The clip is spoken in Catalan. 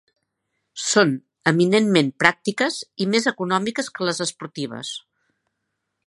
Són eminentment pràctiques i més econòmiques que les esportives.